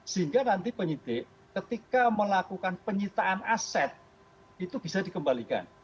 sehingga nanti penyidik ketika melakukan penyitaan aset itu bisa dikembalikan